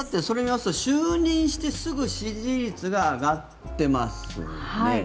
それを見ますと就任してすぐ支持率が上がっていますね。